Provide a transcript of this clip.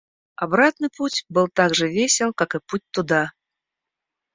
Обратный путь был так же весел, как и путь туда.